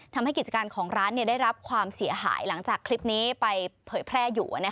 ทำให้กิจการของร้านได้รับความเสียหายหลังจากคลิปนี้ไปเผยแพร่อยู่